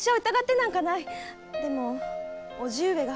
でも叔父上が。